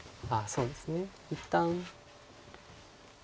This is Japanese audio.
そうですね一旦。